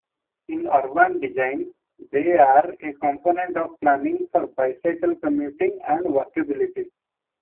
In urban design, they are a component of planning for bicycle commuting and walkability.